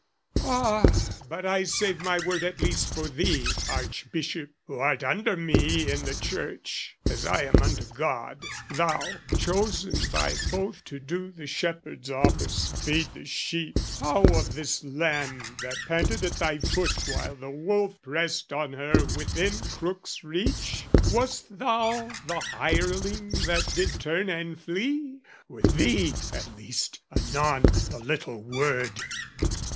Ah, but I save my word at least for thee, Archbishop, who art under me in the Church, As I am under God, thou, chosen by both To do the shepherd's office, feed the sheep How of this lamb that panted at thy foot While the wolf pressed on her within crook's reach? Wast thou the hireling that did turn and flee? With thee at least anon the little word!